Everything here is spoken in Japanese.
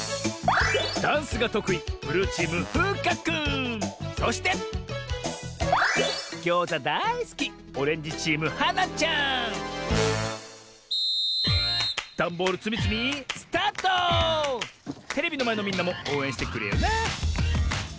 ダンスがとくいそしてギョーザだいすきダンボールつみつみテレビのまえのみんなもおうえんしてくれよな！